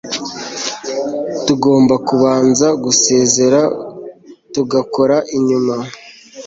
tugomba kubanza gusezera, tugakora nyuma